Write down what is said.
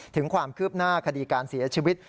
ถึงความคืบหน้าคดีการเสียชีวิต